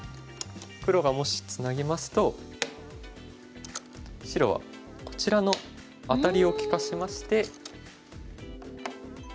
黒がもしツナぎますと白はこちらのアタリを利かしまして。